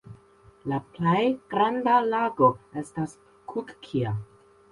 La plej granda lago estas Kukkia.